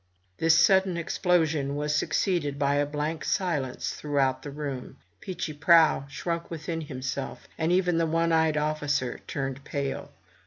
This sudden explosion was succeeded by a blank silence throughout the room. Peechy Prauw shrunk within himself, and even the one eyed officer turned pale.